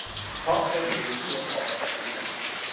เพราะเป็นสิวที่นูนออกมาจากผิวหนัง